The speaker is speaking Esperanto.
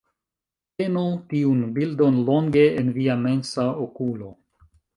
Tenu tiun bildon longe en via mensa okulo